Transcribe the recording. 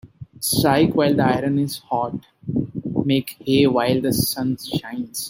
Strike while the iron is hot Make hay while the sun shines.